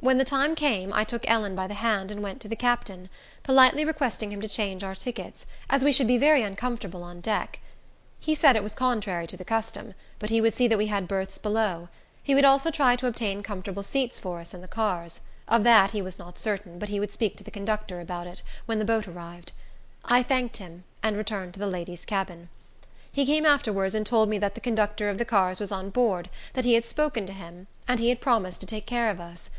When the time came, I took Ellen by the hand and went to the captain, politely requesting him to change our tickets, as we should be very uncomfortable on deck. He said it was contrary to their custom, but he would see that we had berths below; he would also try to obtain comfortable seats for us in the cars; of that he was not certain, but he would speak to the conductor about it, when the boat arrived. I thanked him, and returned to the ladies' cabin. He came afterwards and told me that the conductor of the cars was on board, that he had spoken to him, and he had promised to take care of us.